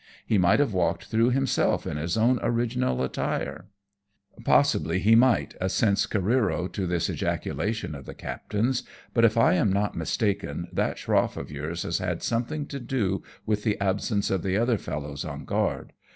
He might have walked through himself, in his own original attire." " Possibly he might," assents Careero to this ejacula tion of the captain's, " but if I am not mistaken, that schroff of yours has had something to do with the absence of the other fellows on guard.